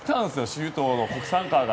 周東の国産カーが。